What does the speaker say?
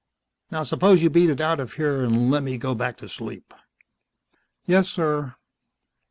Now suppose you beat it out of here and let me go back to sleep." "Yes, Sir."